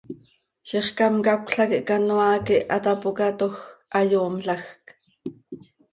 Zixcám cacöla quih canoaa quih hatapócatoj, hayoomlajc.